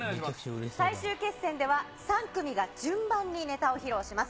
最終決戦では、３組が順番にネタを披露します。